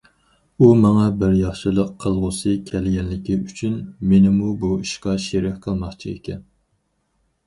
ئۇ ماڭا بىر ياخشىلىق قىلغۇسى كەلگەنلىكى ئۈچۈن، مېنىمۇ بۇ ئىشقا شېرىك قىلماقچى ئىكەن.